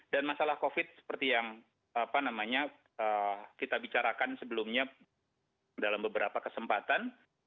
dan masalah covid seperti yang kita bicarakan sebelumnya dalam beberapa kesempatan